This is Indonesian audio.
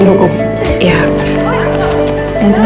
saya mau dia dihukum